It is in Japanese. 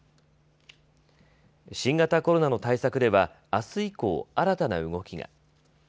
新型コロナの対策ではあす以降、新たな動きが。